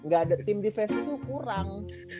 gaada team defense itu kurang